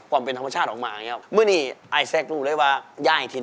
อยากเป็นแฟนอาย